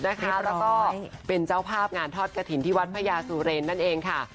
แล้วก็เป็นเจ้าภาพงานทอดกระถิ่นที่วัดพระยาสุเรนนั่นเองค่ะ